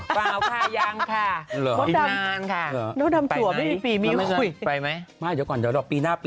เปล่าค่ะยังค่ะอีกนานค่ะ